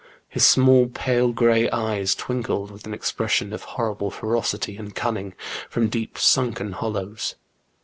His small pale grey eyes twinkled with an expression of horrible ferocity and cunning, from deep sunken hollows.